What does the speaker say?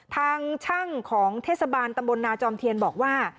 ทางช่างของเทศบาลตำบลนาจอมเทียนบอกว่า